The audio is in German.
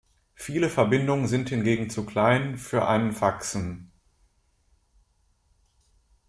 Viele Verbindungen sind hingegen zu klein für einen Faxen.